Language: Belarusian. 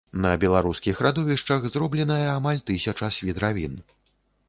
На беларускіх радовішчах зробленая амаль тысяча свідравін.